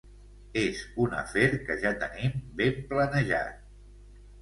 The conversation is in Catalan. És un afer que ja tenim ben planejat.